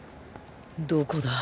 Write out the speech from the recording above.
どこだ？